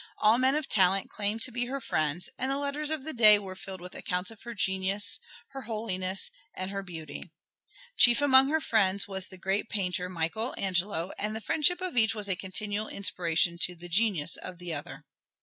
All men of talent claimed to be her friends, and the letters of the day were filled with accounts of her genius, her holiness, and her beauty. Chief among her friends was the great painter Michael Angelo, and the friendship of each was a continual inspiration to the genius of the other.